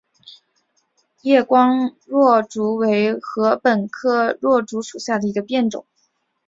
光叶箬竹为禾本科箬竹属下的一个变种。